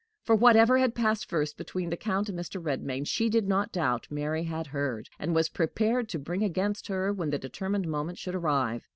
For, whatever had passed first between the Count and Mr. Redmain, she did not doubt Mary had heard, and was prepared to bring against her when the determined moment should arrive.